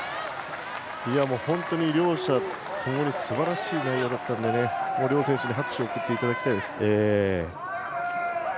本当に両者ともにすばらしい内容だったので両選手に拍手を送っていただきたいです。